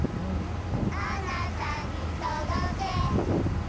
「あなたにどどけ」